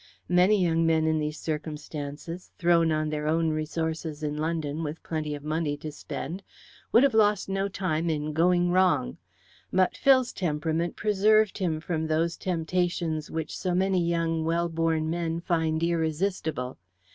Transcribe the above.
Many young men in these circumstances thrown on their own resources in London with plenty of money to spend would have lost no time in "going wrong," but Phil's temperament preserved him from those temptations which so many young well born men find irresistible.